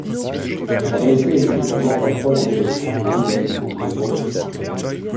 Agressé et laissé pour mort par trois d'entre eux, Eddie décide de se venger.